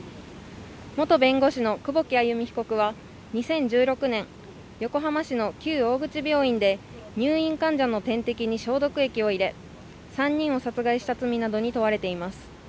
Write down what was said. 元看護師の久保木愛弓被告は２０１６年横浜市の旧大口病院で入院患者の点滴に消毒液を入れ、３人を殺害した罪などに問われています。